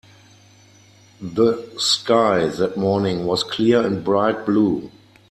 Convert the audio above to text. The sky that morning was clear and bright blue.